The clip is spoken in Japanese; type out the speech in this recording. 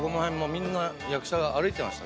みんな役者が歩いてました